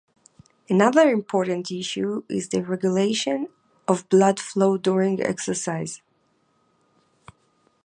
Another important issue is the regulation of blood flow during exercise.